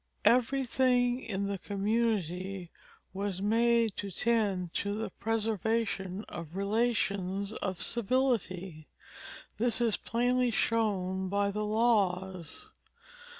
Everything in the community was made to tend to the preservation of relations of civility; this is plainly shown by the laws.